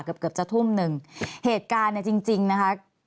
เกือบจะทุ่มนึงเหตุการณ์จริงนะคะ